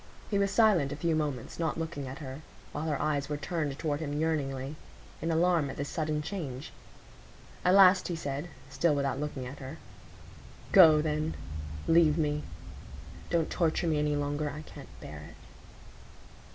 He was silent a few moments, not looking at her; while her eyes were turned toward him yearningly, in alarm at this sudden change. At last he said, still without looking at her,— "Go, then,—leave me; don't torture me any longer,—I can't bear it."